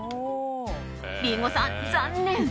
リンゴさん、残念。